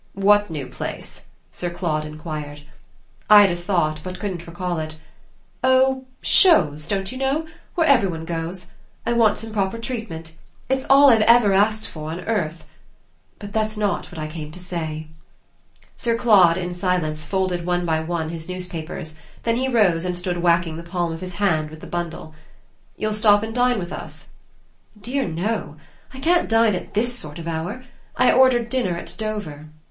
"What new place?" Sir Claude enquired. Ida thought, but couldn't recall it. "Oh 'Chose,' don't you know? where every one goes. I want some proper treatment. It's all I've ever asked for on earth. But that's not what I came to say." Sir Claude, in silence, folded one by one his newspapers; then he rose and stood whacking the palm of his hand with the bundle. "You'll stop and dine with us?" "Dear no I can't dine at this sort of hour. I ordered dinner at Dover."